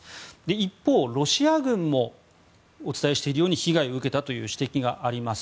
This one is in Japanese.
一方、ロシア軍もお伝えしているように被害を受けたという指摘があります。